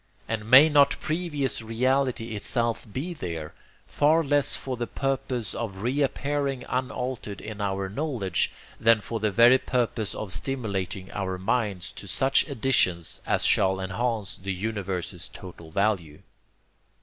And may not previous reality itself be there, far less for the purpose of reappearing unaltered in our knowledge, than for the very purpose of stimulating our minds to such additions as shall enhance the universe's total value.